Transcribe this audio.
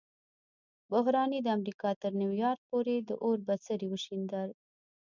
بحران یې د امریکا تر نیویارک پورې د اور بڅري وشیندل.